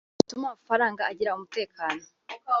Bituma amafaranga agira umutekano